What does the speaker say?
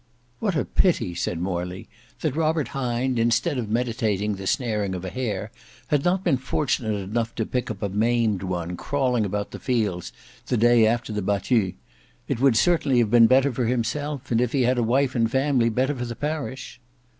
"What a pity," said Morley, "that Robert Hind, instead of meditating the snaring of a hare, had not been fortunate enough to pick up a maimed one crawling about the fields the day after the battue. It would certainly have been better for himself; and if he has a wife and family, better for the parish."